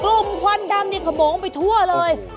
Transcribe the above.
ควันดำนี่ขโมงไปทั่วเลย